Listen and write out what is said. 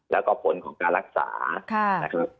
แล้วก็ผลของการรักษานะครับ